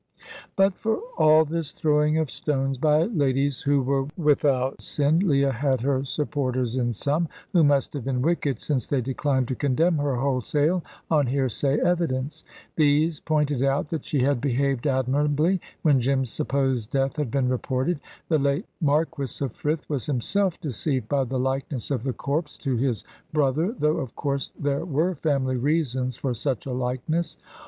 But for all this throwing of stones by ladies who were without sin, Leah had her supporters in some, who must have been wicked, since they declined to condemn her wholesale on hearsay evidence. These pointed out that she had behaved admirably, when Jim's supposed death had been reported. The late Marquis of Frith was himself deceived by the likeness of the corpse to his brother, though of course there were family reasons for such a likeness.